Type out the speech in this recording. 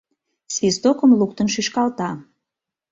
свистокым луктын шӱшкалта.